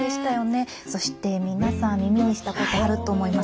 そして皆さん耳にしたこと、あると思います。